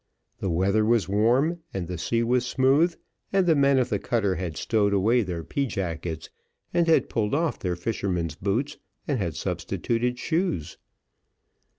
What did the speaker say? The weather was warm, and the sea was smooth, and the men of the cutter had stowed away their pea jackets, and had pulled off their fishermen's boots, and had substituted shoes.